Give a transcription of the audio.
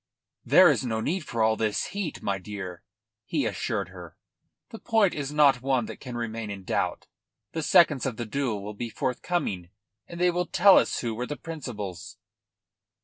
"There is no need for all this heat, my dear," he reassured her. "The point is not one that can remain in doubt. The seconds of the duel will be forthcoming; and they will tell us who were the principals."